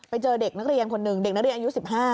ไปเจอเด็กนักเรียนคนหนึ่งเด็กนักเรียนอายุ๑๕